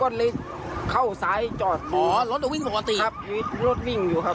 รถวิ่งของปกติครับรถวิ่งอยู่ครับ